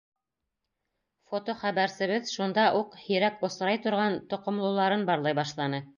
Фотохәбәрсебеҙ шунда уҡ һирәк осрай торған тоҡомлоларын барлай башланы.